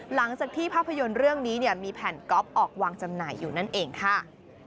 หลังจากที่ภาพยนตร์เรื่องนี้มีแผ่นก๊อฟออกวางจำหน่ายอยู่นั่นเองค่ะ